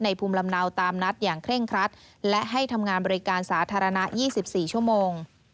ภูมิลำเนาตามนัดอย่างเคร่งครัดและให้ทำงานบริการสาธารณะ๒๔ชั่วโมง